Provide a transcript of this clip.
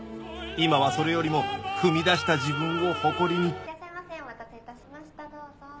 今はそれよりも踏み出した自分を誇りにいらっしゃいませお待たせいたしましたどうぞ。